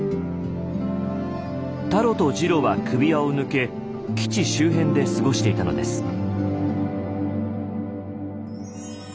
タロとジロは首輪を抜け基地周辺で過ごしていたのです。